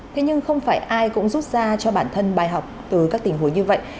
thế nhưng không phải ai cũng rút ra cho bản thân bài học từ các tình huống như vậy